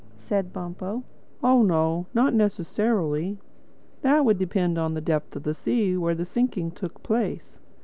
said Bumpo. "Oh no, not necessarily. That would depend on the depth of the sea where the sinking took place.